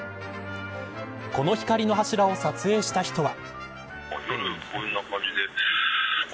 この光の柱を撮影した人は。